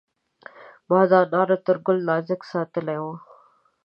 ما د انارو تر ګل نازک ساتلی و.